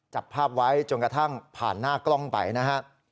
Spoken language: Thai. จับภาพไว้จนกระทั่งผ่านหน้ากล้องไปนะฮะ